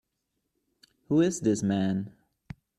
Who is this man?